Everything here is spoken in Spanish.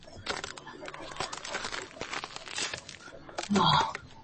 En cambio, hay pocas iniciativas e instituciones privadas.